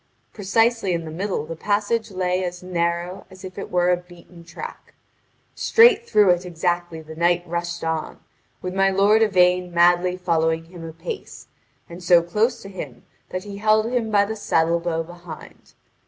Precisely in the middle the passage lay as narrow as if it were a beaten track. Straight through it exactly the knight rushed on, with my lord Yvain madly following him apace, and so close to him that he held him by the saddle bow behind.